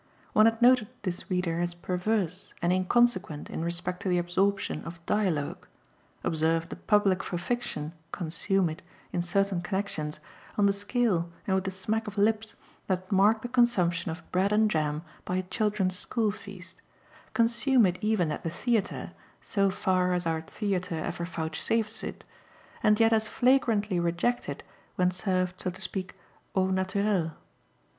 One had noted this reader as perverse and inconsequent in respect to the absorption of "dialogue" observed the "public for fiction" consume it, in certain connexions, on the scale and with the smack of lips that mark the consumption of bread and jam by a children's school feast, consume it even at the theatre, so far as our theatre ever vouchsafes it, and yet as flagrantly reject it when served, so to speak, au naturel.